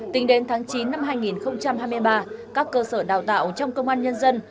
tính đến tháng chín năm hai nghìn hai mươi ba các cơ sở đào tạo trong công an nhân dân